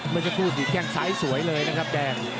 มันจะพูดอยู่แค่งสายสวยเลยนะครับแดง